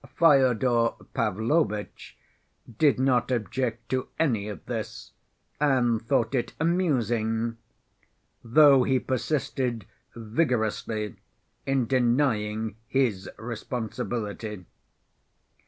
Fyodor Pavlovitch did not object to any of this, and thought it amusing, though he persisted vigorously in denying his responsibility.